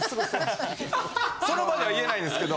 その場では言えないですけど。